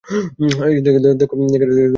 দেখি উনি কী চান।